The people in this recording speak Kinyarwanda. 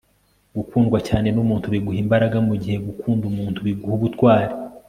gukundwa cyane n'umuntu biguha imbaraga, mugihe gukunda umuntu biguha ubutwari